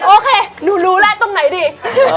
โอเคหนูรู้แล้วตรงไหนดี